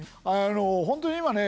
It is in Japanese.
本当に今ね